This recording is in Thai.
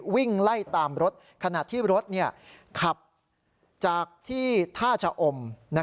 วิ่งไล่ตามรถขณะที่รถขับจากที่ท่าชะอม